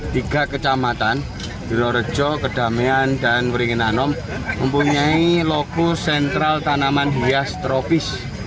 tiga kecamatan jororjo kedamian dan uringi nanom mempunyai lokus sentral tanaman hias tropis